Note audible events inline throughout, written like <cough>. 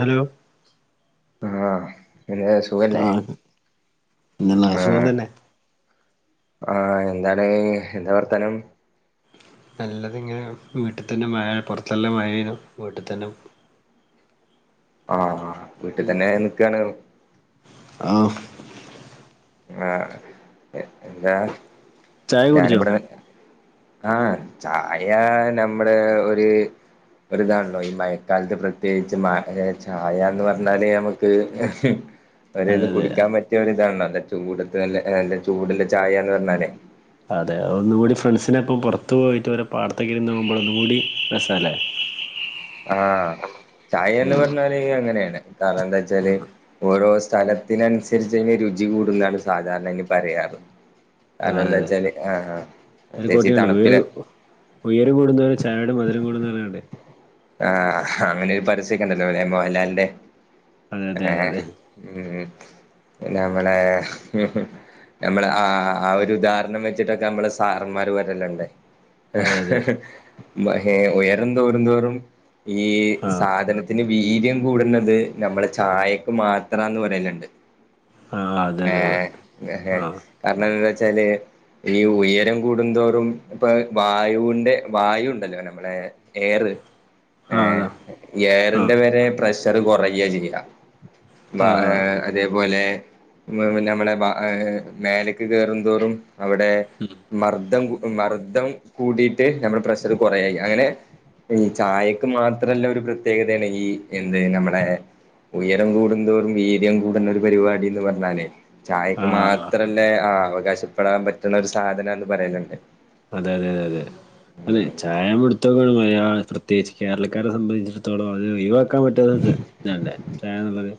Hello. ആ എ ആ നല്ല സുഖം തന്നെ. ആ എന്താണ് എന്താ വർത്താനം? നല്ലത് ഇങ്ങനെ വീട്ടിൽ തന്നെ മഴ പുറത്തെല്ലാം മഴേനു വീട്ടിൽ തന്നെ. ആഹ് വീട്ടിൽ തന്നെ നിക്കാണ്. ആ ആ എന്താ? ചായ കുടിച്ചോ? ആ ചായ നമ്മുള് ഒര് ഒരുതാണല്ലോ ഈ മഴക്കാലത്ത് പ്രത്യേകിച്ച് മ ചായന്ന് പറഞ്ഞാല് നമ്ക്ക്. അതെ പെരേന്ന് അതെ കുടിക്കാൻ പറ്റിയ ഒരിതാണ ല്ലൊ ചൂടത്ത് നല്ല ചൂട്ല്ല ചായന്ന് പറഞ്ഞാല്. അതെ ഒന്നുകൂടി ഫ്രണ്ട്സിനെപ്പം പുറത്തു പോയിട്ട് പാടത്തൊക്കെ ഇരുന്ന് നോകുമ്പോൾ ഒന്നുകൂടി രസ അല്ലേ? ആ ചായന്ന് പറഞ്ഞല് അങ്ങനെയാണ് കാരണം എന്താ ച്ചാല് ഓരോ സ്ഥല ഇതിനനുസരിച് രുചി കൂടുന്നാണ് സാധാരണ അയിന് പറയാറ്. അതെ കാരണംന്താ അതെ വച്ചാല് ആ ആ പ്രത്യേകിച്ച് ഈ തണുപ്പില്. ഉയര കൂടുന്ന തൊറും ചായയുടെ മധുരം കൂടുന്ന് കണ്ടെ. ആ അങ്ങനെ ഒരു പരസ്യഒക്കെ ഇണ്ടല്ലോലെ മോഹൻലാലിന്റെ അതെ അതെ ഏ അതെ അതെ ഉ പിന്നെ നമ്മളെ ഹി നമ്മള് ആ ആ ഒരു ഉദാഹരണം വെച്ചിട്ടൊക്കെ നമ്മള് സാറന്മാര് വരല്ലുണ്ട്. അതെ അതെ ഉയരംന്തോറും തോറും ഈ ആഹ് സാധനത്തിന്. വീര്യം കൂടുന്നത് നമ്മള ചായക്ക് മാത്രന്ന് പറയലുണ്ട്. ആഹ് അതെ ഏ അതെ അതെ ആ ആഹ് കാരണം എന്താ വെച്ചാല്. ഈ ഉയരം കൂടുന്തോറും ഇപ്പ വായുവിന്റെ വായു ഉണ്ടല്ലോ നമ്മളെ. എയർ ഏ ആഹ് അതാ ആഹ് എയറിന്റെ വരെ പ്രഷർ കുറയാചെയ്യാ. ബ ഏ ആഹ് അതേപോലെ. ഏ നമ്മള്ബ മേലക്ക് കയറുംന്തോറും അവിടെ മർദം. മർദ്ദം കൂടിയിട്ട് നമ്മുടെ പ്രഷർ കുറയാ ചെയ്യാ അങ്ങനെ ഈ ചായ. ക്ക് മാത്രല്ല ഒരു പ്രത്യേകതയാണ് ഈ എന്ത് നമ്മളെ. ഉയരം കൂടുന്തോറും വീര്യം കൂടുന്ന ഒരു പരിപാടിന്ന് പറഞ്ഞാലേ. ചായക്ക് ആഹ് മാത്രല്ലേ ആ അവകാശപ്പെടാൻ പറ്റുന്ന ഒരു സാധനന്ന് പറയല്ണ്ട്. അത അതെ അത അതെ. ചായ കൊട് <unintelligible> പ്രത്യേകിച്ച് കേരളക്കാരെ സംബന്ധിച്ചിടത്തോളം അത് ഒഴി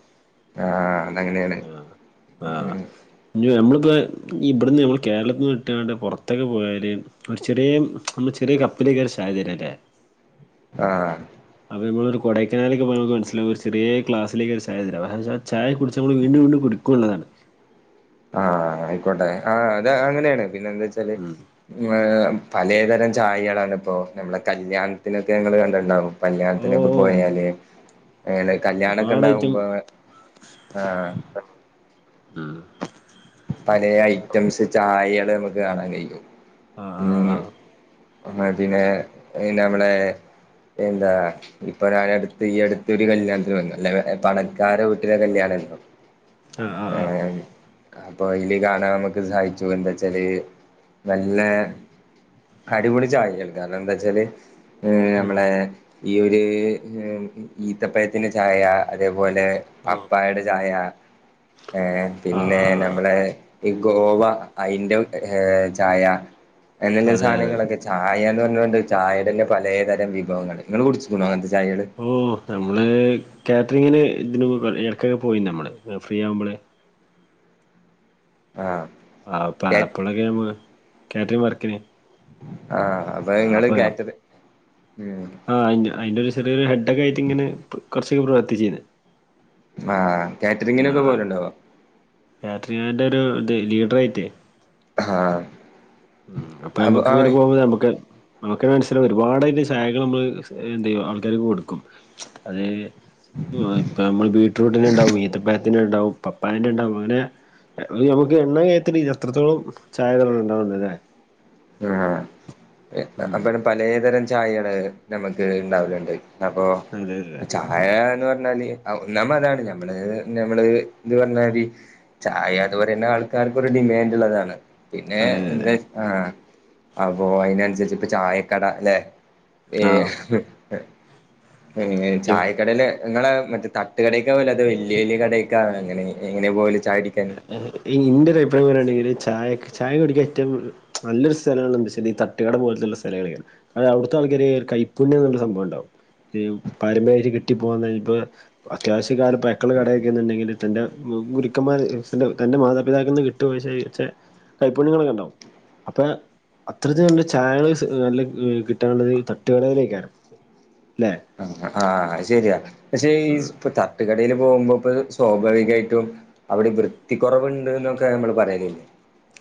<unintelligible> ആഹ് അതങ്ങനെയ. ആ ആ നമ്മളിപ്പോൾ ഇവിടുന്ന് നമ്മൾ കേരളത്തിൽ നിന്ന് വിട്ടാണ്ട് പുറത്തൊക്കെ പോയൽ. ഒരു ചെറിയ നമ്മൾ ചെറിയ കപ്പലേക്കാരം ചായ തരല്ലേ? ആഹ് അത് നമ്മൾ കൊടൈക്കനേലേക്ക് പോയ നമുക്ക് മനസിലാവും ഒരു ചെറിയ ക്ലാസിലേക്ക ഒരു ചായ തരാ അതെന്താന്ന് വെച്ച ചായ കുടിച്ച് നമ്മള് വീണ്ടും വീണ്ടും കുടി <unintelligible> ആ ആയിക്കോട്ടെ ആ അതങ്ങനെയാണ് പിന്നെന്താച്ചാല് ഉം പലതരം ചായകളാണിപ്പോ നമ്മളെ കല്യാണത്തിനൊക്കെ നിങ്ങള് കണ്ടിട്ടുണ്ടാവും ഓ കല്യാണത്തിനൊക്കെ ഓ പോയാല് അങ്ങനെ ഒരുപാട് ഐറ്റം കല്യാണക്കെയിണ്ടാവുമ്പോ ആഹ്ഹ് ഉം പലെ ഐറ്റംസ് ചായകള് നമുക്ക് കാണാൻ കഴിക്കും ആഹ് മ്മ് ആഹ് മതിനെ പിന്നെ നമ്മളെ എന്താ ഇപ്പ ഞാനടുത്ത് ഈ അടുത്തൊരു കല്യാണത്തിന് വന്നു അല്ല പണക്കാര വീട്ടില കല്യാണ ആ ആ ആ <unintelligible> ഇപ്പൊ അതില് കാണാൻ നമ്മക്ക് സാധിച്ചത് എന്താച്ചാല് നല്ല അടിപൊളി ചായേണ് കാരണം എന്താച്ചാല് ഉം നമ്മളെ ഈ ഒരു ഈത്തപ്പയത്തിന്റെ ചായ അതേ പോലെ ഓ പപ്പായുടെ ചായ ഏഹ് ആഹ് പിന്നെ ന ആഹ് ഏഹ് ഈ ഗോവ അയിന്റെ ഏഹ് ചായ <unintelligible> അതെ അതെ സാധനങ്ങളൊക്കെ ചായേന്ന് പറഞ്ഞ കൊണ്ട് ചായേടെ തന്നെ പലേ തരം വിഭവങ്ങള് നിങ്ങള് കുടിച്ചിട്ടുണ്ടോ അങ്ങനത്തെ ചായകള് ഓഹ് നമ്മള് കാറ്ററിങ്ങിന് ഇതിന് ഇടക്കെ പോയി നമ്മള് ഫ്രീ ആവുമ്പോള് ആഹ് ആഹ് കേ <unintelligible> കാറ്ററിങ് വർക്കിന് ആഹ് അപ്പ ഇങ്ങള് കാറ്റർ മ്ഹ് ആഹ് അയിന്റ അയിന്റൊരു സ് <unintelligible> ഹെഡക്കായിട്ടിങ്ങനെ കൊർ കൊറച്ചക്കെ പ്രവർത്തി ചെയ്ത് ആഹ് കാറ്ററിങ്ങിനൊക്കെ പോവലുണ്ടാവോ കാറ്ററിംഗിന്റൊരു ഇതേ ലീഡറായിട്ടേ ഹാ മ്ഹ് അപ്പ നമ്മക്കിങ്ങനെ പോവുമ്പ നമ്മക്ക് നമുക്കു മനസ്സിലാവും ഒരുപാട് അതിൻ്റെ ശാഖകള് നമ്മള് എന്ത് ചെയ്യുവ ആൾക്കാരിക്ക് കൊടുക്കും അത് എന്തുവാ ഇപ്പ നമ്മള് ബീറ്റ്‌റൂട്ടിനിണ്ടാവും ഈത്തപ്പഴത്തിനിണ്ടാവും പപ്പായന്റെണ്ടാവും അങ്ങനെ എഹ് നമുക്ക് എണ്ണ കയത്തില് എത്രത്തോളം ചായകളണ്ടാവണ്ട അല്ലേ ആഹ ഉം അപ്പയും പലെതരം ചായകള് നമക്ക് ഇണ്ടാവലുണ്ട് അപ്പോ അതെ അതെ ച്ച അയാളെണ്ടെന്ന് പറഞ്ഞാല് ഔ നമ്മളതാണ് ഞമ്മള് ഞമ്മള് ഇത് പറഞ്ഞമാരി ചായാന്ന് പറയണത് ആൾക്കാർക്കൊരു ഡിമാൻഡിള്ളതാണ് പിന്നേ അതെ അതെ എന്താ ആഹ് അപ്പൊ അയിനനുസരിച്ചിപ്പ ചായക്കട അല്ലെ അതെ ഏഹ് ഏഹ് ആഹ് ചായക്കടേല് നിങ്ങളെ മറ്റേ തട്ടുകടക്കാവല്ലാത്ത വല്യ വല്യ കടയെക്ക അങ്ങനെ എങ്ങനേ പോവല് ചായ കുടിക്കാന് ഇൻ്റൊരു അഭിപ്രായം പറയാണെങ്കില് ചായെക്ക് ചായ കുടിക്കാൻ ഏറ്റവും നല്ലൊരു സ്ഥലങ്ങളെന്ന് വെച്ചാല് ഈ തട്ടുകട പോലത്തിളള സ്ഥലങ്ങളെയാണ് അല്ല അവിടുത്തെ ആൾക്കാര് കൈപ്പുണ്യം എന്നുള്ളൊരു സംഭവം ഇണ്ടാവും ഇം പാരമ്പര്യായിട്ട് കിട്ടിപ്പോന്ന ഇപ്പ അത്യാവശ്യകാലം പയക്കുള്ള കടയ്ക്കയാന്നെണ്ടാകില് തൻ്റെ <unintelligible> ക്കന്മാര്ഇൻസ്ൻ്റെ തൻ്റെ മാതാപിതാക്കന്ന് കിട്ടൊക്കെ ചെയ് ചെ കൈപുണ്യങ്ങളൊക്കെണ്ടോ അപ്പ അത്രത്തി നല്ല ചായകള് നല്ല ഏ കിട്ടാനുള്ളത് ഈ തട്ടുകടയിലേക്കാരം അല്ലെ ആഹ് ആഹ് അത്ശെര്യാ പക്ഷെ ഈ സ്പ്ട്ടാ തട്ട്കടേല് പോകുമ്പോ ഇപ്പത് സ്വഭാവികായിട്ടും അവിടെ ഇ വൃത്തി കൊറവിണ്ട്ന്നൊക്കെ നമ്മള് പറയലില്ലേ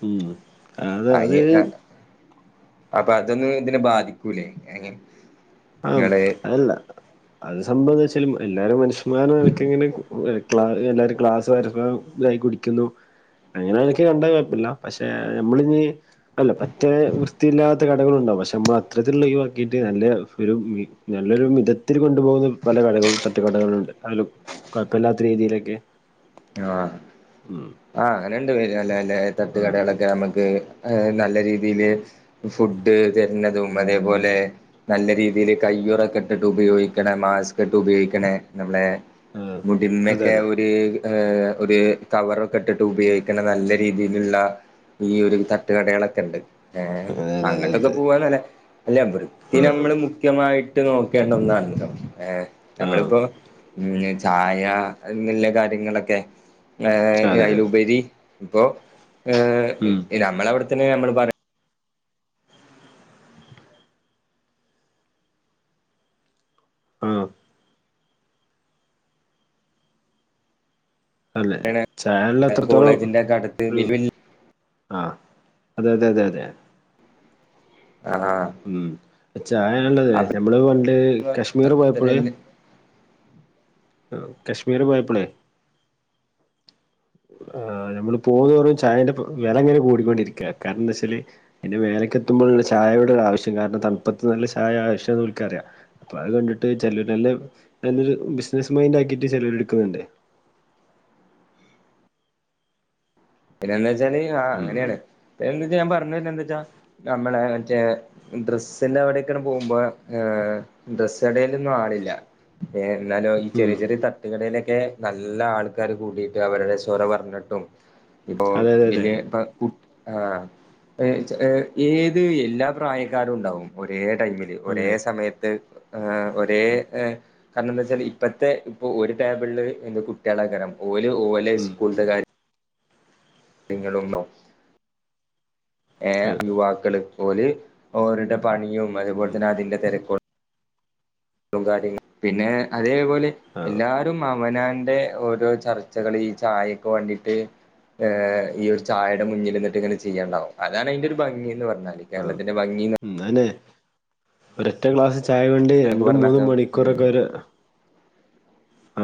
ഇം അതത് അപ്പ അതൊന്നും ഇതിനെ ബാധിക്കൂല്ലേ എങ്ങനെ ആഹ് അതല്ല അത് സംഭവന്നെച്ചാല് എല്ലാരും മനുഷ്യമാരെക്കിങ്ങനെ ഏക് ക്ലാ എല്ലാരും ക്ലാസ് വരുമ്പ ഇതായി കുടിക്കുന്നു അങ്ങനേണങ്കിക്കണ്ടാ കൊഴപ്പ്ല്ല പക്ഷേ നമ്മളിനി അല്ല പറ്റേ വൃത്തിയില്ലാത്ത കടകളുണ്ടാവും പക്ഷെ നമ്മ അത്തരത്തിൽള്ള ഒയിവാക്കീട്ട് നല്ലെ- ഒരു നല്ലൊരു മിതത്തിൽ കൊണ്ടുപോകുന്ന പല കടകളും തട്ടുകടകളുണ്ട് അതിലും കോഴ്പ്പല്ലാത്ത രീതിയിലൊക്കെ ആഹ് ഉം ആഹ് അങ്ങനെണ്ട് പേര് നല്ലെ നല്ലെ ആഹ് തട്ട്കടകളൊക്കെ ഞമ്മക്ക് നല്ല രീതീല് ഫുഡ്ഡ് വര്ണതും അതേപോലെ നല്ലെ രീതീല് കയ്യുറക്കെട്ട്ട്ട് ഉപയോഗിക്ക്ണെ മാസ്ക്ക്ട്ട് ഉപയോഗിക്ക്ണേ നമ്മ്ളെ ആഹ് അതെ മുടിമ്മെക്കെ അതെ ഒര് ഏഹ് ഒര് കവറാെക്കെട്ട്ട്ട് ഉഭയോഗിക്ക്ണെ നല്ല രീതീല്ള്ളാ ഈയൊരു തട്ടുകടകളൊക്കെ ഉണ്ട് ഏഹ് അതെ അതെ അങ്ങോട്ടൊക്കെ അതെ പോവാലോലേ അല്ല വൃത്തി ആഹ് നമ്മള് മുഖ്യമായിട്ട് നോക്കേണ്ട ഒന്നാണലോ ഏ് ആഹ് നമ്മളിപ്പോ ഉം ചായ എന്ന്ല്ലെ കാര്യങ്ങളൊക്കെ ഏഹ് അതെ അതെ അയ്ലുപരി പ്പോ ഉം ഏഹ് നമ്മളവ്ട്ത്ത്നെ ഞമ്മൾ പറ ആഹ് അതെ ചാനല്ൽ അത്രത്തോളം കോളേജിന്റെ ഒക്കെ അടുത്ത് ഒരു വലിയ വലിയ ആഹ് അതെ അതെ അതെ അതെ ആഹ് ഉം അത് ചായാണ്ടത് അപ്പ ഞമ്മള് പണ്ട് കശ്മീറ് പോയപ്പള് അത്രന്നെ ഉ കശ്മീര് പോയപ്പളേ ആഹ് ഞമ്മള് പോകും തോറും ചായെന്റെ വെലെങ്ങെനെ കൂടിക്കൊണ്ടിരിക്കാ കാര്ണംന്താച്ചാല് അയ്ന്റെ മേലെക്കെത്തുമ്പൾല്ലെ ചായയുടെ ഓരാവശ്യം കാരണം തൺപ്പത്ത് നല്ല ചായ ആവശ്യാന്ന് ഓൽക്കറ്യാ അപ്പൊ അത് കണ്ടിട്ട് ചിലരെല്ലാം നല്ലൊരു ബിസിനസ്സ് മൈൻഡ് ആക്കിട്ട് ചിലര് എടുക്കുന്നുണ്ട് പിന്നെ എന്താച്ചാല് ആഹ് ഉം അങ്ങനേണ് പിന്നെ എന്തെച്ചാ ഞാൻ പർഞ്ഞര്ണെന്തെച്ചാ നമ്മളെ മറ്റേ ഡ്രസ്സിന്റെ അവിടൊക്കെ പോകുമ്പോ ആഹ് ഡ്രസ് കടയിലൊന്നും ആളില്ല എന്നാലോ ഈ ഉം ചെറിയ ചെറിയ തട്ട തട്ടുകടയിലൊക്കെ നല്ല ആൾക്കാര് കൂടിട്ട് അവരുടെ സ്വര പറഞ്ഞിട്ടും ഇപ്പൊ അതെ അതെ അതെ വല്യെ പ കു ആഹ് ചെ ഏഹ് ഏത് എല്ലാ പ്രായക്കാരുണ്ടാവും ഒരേ ടൈമ് ഒരേ അതെ സമയത്ത് ഒരേ ഉം ഏഹ് കാരണംന്തച്ചാല് ഇപ്പത്തെ ഇപ്പൊ ഒര് ടേബ്ൾല് എന്ത കുട്ട്യാളെക്കാരം ഓല് ഓലെ ഉം സ്കൂള്ത്തെ കാര് നിങ്ങളും ഓഹ് ഏഹ് അതെ യുവാക്കള് ഓല് ഓര്ടെ പണിയും അതേപോലെ ഉം തന്നെ അതിൻ്റെ തെര ക്കും കാര്യങ്ങൾ പിന്നെ അതേപോലെ ആഹ് എല്ലാ അവനാന്റെ ഓരോ ചർച്ചകള് ഈ ചായെക്ക് വാണ്ടീട്ട് ഏഹ് ഈ ഒര് ചായേടെ മുന്നില്ന്ന്ട്ട് ഇങ്ങനെ ചെയ്യാണ്ടാവും അതാണ് അയ്ന്റെ ഒര് ഭംഗീന്ന് പർഞ്ഞാല് ആഹ് കേരളത്തിന്റെ ഭംഗീന്ന് ഉം അതെന്നെ ഒരാെറ്റ ഗ്ലാസ് ചായ വേണ്ടി എന്നൊക്കെ രണ്ടും പറഞ്ഞ മൂന്നും ഉം മണിക്കൂറൊക്കാെര്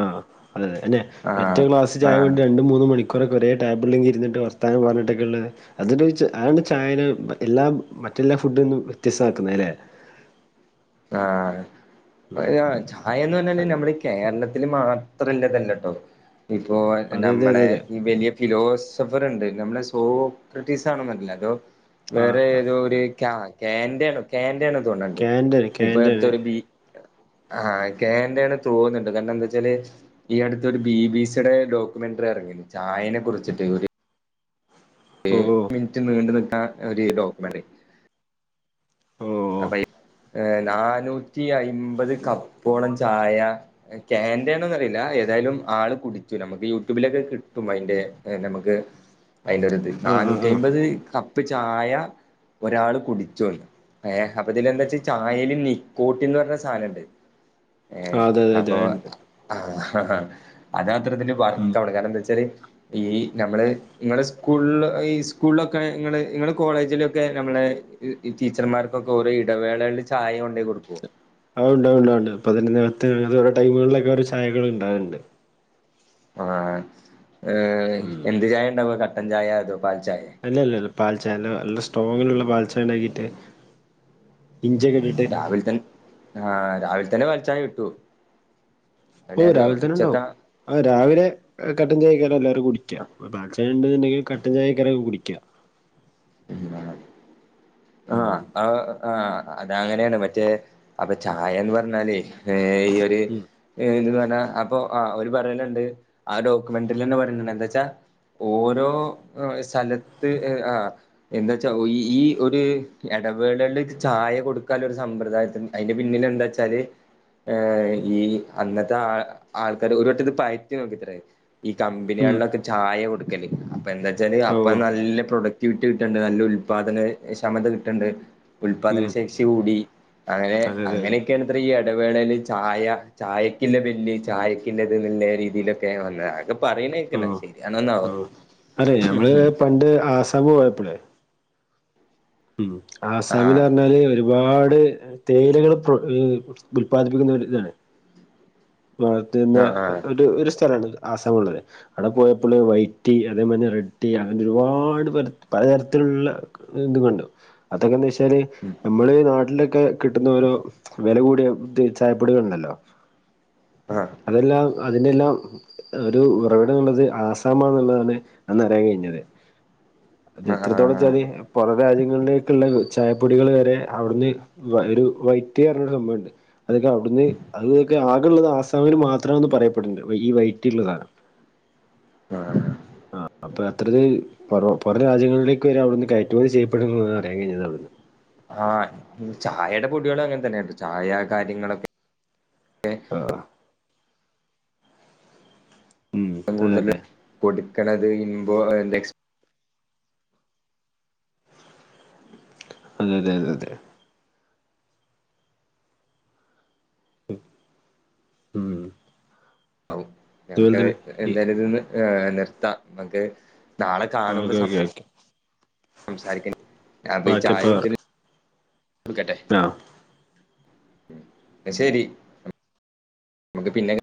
ആഹ് അതെ അതെ അതെന്നെ ആഹ് മറ്റേ ക്ലാസ് ച്ച ചായ ആഹ് കൊണ്ട് രണ്ടും മൂന്നും മണിക്കൂറൊക്ക ഒരേടേബ്ള്ങ്ങനെ ഇര്ന്നിട്ട് വർത്താനം പർഞ്ഞിട്ടെക്കെള്ളെ അത്നൊയ്ച്ച് അതാണ് ചായേനെ മറ്റെ എല്ലാം മറ്റെല്ലാ ഫുഡ്ന്നും വ്യത്യസ്തമാക്ക്ന്നെ ലെ ആ ഉം <unintelligible> ചായെന്ന് പറഞ്ഞാല് ഞമ്മടെ അതെ കേര്ളത്ത്ല് മാത്രല്ലതല്ലട്ടോ ഇപ്പോ അതെ അതെ ഞമ്മളെ അതെ അതെ ഈ വെലിയ ഫിലോസഫറ്ണ്ട് നമ്മളെ സോക്റ്ട്ടീസാണോന്നർല തോ വേറെ ആഹ് ഏതോ ഒര് ക്യാ കേന്റേണ് കേന്റേണ് കേന്ററിങ്ങ് ഇപ്പൊ അട്ത്തൊര് ബി ആഹ് കേന്റേണ് തോന്ന്ണ്ട് കാര്ണം എന്തച്ചാല് ഈ അടുത്തൊരു ബി ബി സിടെ ഡോക്മെന്റ്റി എറങ്ങീന്നു ചായേനെ കുറിച്ചിട്ട് ഒര് ഏ ഓ ഓ മിൻറ്റ് നീണ്ട് നിക്കാ ഒര് ഡോക്മെന്റ് ഓ ഓ അപ്പയ് ആഹ് നാനൂറ്റി അയ്മ്പത് കപ്പോളം ചായ ആഹ് കേന്റേണോന്നറീല ഏതേയേലും ആള് കുടിച്ചൂല മ്മക്ക് യൂടുബിലൊക്കെ കിട്ടും അയിന്റെ എഹ്‌ നമ്മക്ക് ഉ അതിന്റെ ഒരുത് നാനൂറ്റി അമ്പത് കപ്പ് ചായ ഒരാൾ കുടിച്ചുണ്ട് ഏഹ് അപ്പൊതില് എന്താച്ചാ ചായേല് നിക്കോട്ടിൻന്ന് പറഞ്ഞ സാധനണ്ട് ഏഹ് ആഹ് അതെ അതെ അതെ അപ്പൊ അത്ണ്ട് ആഹ് ഹഹ അതാത്തരത്തില് ഉം വർത്തവാണ് കാരണന്താച്ചാല് ഈ ഞമ്മള് ഇങ്ങളെ സ്കൂള് ഈ സ്കൂള്ലൊക്കെ ഇങ്ങള് ഇങ്ങള് കോളേജിലൊക്കെ ഞമ്മളെ ഈ ടീച്ചർമാര് ക്കെ ഓരൊ ഇടവേളൽ ചായ കൊണ്ടയി കൊടുക്കും ആ ഉണ്ടണ്ട് ഉണ്ട ഉണ്ട് പതിന നേകത്ത് ഓരോ ടൈമുകളിലൊക്കെ ഓരൊ ചായകൾ ഉണ്ടാവറുണ്ട് ആഹ് ഉം എന്ത് ചായ ഉണ്ടാവോ കട്ടൻ ചായ അതോ പാൽ ചായ അല്ല അല്ലല്ല പാൽച്ച അല്ല നല്ല സ്ട്രോങ്ങിലുള്ള പാൽച്ച ഇണ്ടാക്കിട്ട് ഇഞ്ചക്കെ രാവിൽ തൻ ആഹ് രാവിൽ തന്നെ പാൽചായ കിട്ടോ ഓ രാവിൽ തന്നെ ഉണ്ടാവും അ രാവിലെ കട്ടൻചായക്കാരം കുടിക്ക പാൽച്ചയ ഇണ്ട്ന്ന്ണ്ടെങ്കി കട്ടൻ ചായക്കര കുടിക്ക ഉം ആഹ് ഉം ആഹ് ആഹ് അതങ്ങനെയാണ് മറ്റേ അപ്പൊ ചായന്ന് പറഞ്ഞലേ ഏ ഈ ഒരു ഉം ഇ പറഞ്ഞാ അപ്പൊ ആ ഒരു പറയലുണ്ട് ആ ഡോക്യുമെന്ററിൽ തന്നെ പറയണ്ട് എന്താച്ചാ ഓരോ സ്ഥലത്ത് ആഹ് എന്തച്ചാ ഈ ഒരു ഇടവേളയിൽ ചായ കൊടുക്കാൽ ഒരു സമ്പ്രദായത്തിന് അയ്ന്റെ പിന്നിൽ എന്താച്ചാല് ഏ ഈ അന്നത്തെ ആ ആൾക്കാർ ഒരു വട്ടത് പയറ്റി നോക്കിത്ര ഈ ഉം കമ്പനികൾലൊക്കെ ചായ കൊടുക്കല് അപ്പ എന്താച്ചാല് ഓ അപ്പൊ നല്ല പ്രൊഡക്റ്റ് കിട്ടണ്ട് നല്ല ഉല്പാദന ക്ഷമത കിട്ട്ണ്ട് ഉല്പാദന ഉം ശേഷി കൂടി അങ്ങനെ അതെ അതെ അതെ അങ്ങനെയൊക്കെയാണ് ഇത്രയും ഇടവേളല് ചായ ചായക്കില്ല ബല്ല് ചായക്കുള്ളത് നുള്ള രീതിയിലൊക്കെ വന്ന ആഹ് ആ അതെ ഞമ്മള് പണ്ട് ആസമ് പോയപ്പളേ ഉം ആസാമില് ആഹ് പറഞ്ഞാല് ഒരു ഒരുപാട് തേയിലകൾ ഉല്പാദിപ്പിക്കുന്നരു ഇതാണ് ആഹ് ആഹ് <unintelligible> ഒരു സ്ഥലണ് ആസാം ഉള്ളത് അവിടെ പോയപ്പോള് വൈറ്റ് ടീ അതേമാലെ റെഡ് ടീ അങ്ങനെ ഒരുപാട് പലതരത്തില്ള്ള എന്ത് കണ്ടോ അതൊക്കെ എന്താ എന്ന് വച്ചാല് ഉം നമ്മള് ഈ നാട്ടിലൊക്കെ കിട്ടുന്ന ഓരോ വില കൂടിയ ചായപ്പൊടുകുണ്ടല്ലോ ആഹ് അതെല്ലാം അതിനെല്ലാം ഒരു ഉറവിടം എന്നുള്ളത് ആസാമാ എന്നുള്ളതാണ് അന്ന് അറിയൻ കഴിഞ്ഞത് അത് ആഹ് എത്രത്തോളം ആഹ് ചാല് പുറം രാജ്യങ്ങളിലേക്ക്ള്ള ചായപ്പൊടികൾ വരെ അവിടുന്ന് ഒരു വൈറ്റ് അർഞ്ഞൊരു സംഭവംണ്ട് അതക്കെ അവിടുന്ന് അതൊക്കെ ആകള്ളത് ആസാമിന് മാത്രംന്ന് പറയപ്പെടണ്ട് ഈ വൈറ്റിള്ള സാധനം ആഹ് ആ അപ്പൊ അത്രത് പുറേ രാജ്യങ്ങളിലേക്ക് വരെ അവിടുന്ന് കയറ്റുമതി ചെയ്യപ്പെടുന്നുന്ന് അറിയാൻ കഴിഞ്ഞത് അവിടുന്ന് ആഹ് ഉം ചായേടെ പൊടിളും അങ്ങതെന്നേ ചായ കാര്യങ്ങളൊക്കെ ക്കെ ആഹ് ഉം അതെ കൂടുതല് അതെ കൊട്ക്ക്ണത് ഇമ്പോ ആൻഡ് എക്സ് അതെ അതെ അതെ അതെ ഉം അതുപോലെ ഞമക്ക് തന്നെ എല്ലാരിന്ന്നുംലെഫ്ത. നമക്ക് നാളെ കാണുമ്പോ ഓക്കെ ഓക്കെ ഓക്കെ സംസാരിക്ക അപ്പ ഈ ചായ കുടിച്ച വെകട്ടെ ആഹ് ശരി <inaudible> പിന്നെ